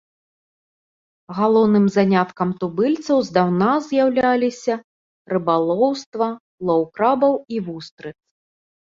Галоўным заняткам тубыльцаў здаўна з'яўляліся рыбалоўства, лоў крабаў і вустрыц.